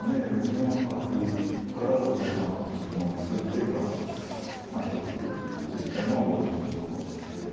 ６四角から５三に馬を作る手がまあ一つできたのは５四歩の効果ですけど。